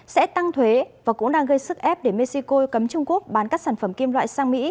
sẽ tăng thuế và cũng đang gây sức ép để mexico cấm trung quốc bán các sản phẩm kim loại sang mỹ